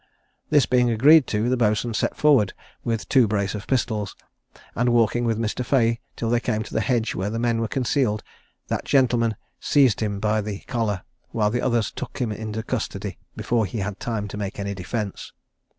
This being agreed to, the boatswain set forward with two brace of pistols, and walking with Mr. Fea till they came to the hedge where the men were concealed, that gentleman seized him by the collar, while the others took him into custody before he had time to make any defence.